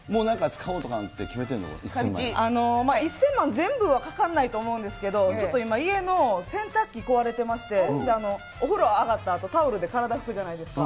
全部はかかんないと思うんですけど、ちょっと今、家の洗濯機壊れてまして、お風呂上がったあと、タオルで体拭くじゃないですか。